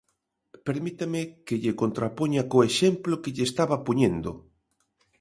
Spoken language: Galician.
Permítame que lle contrapoña co exemplo que lle estaba poñendo.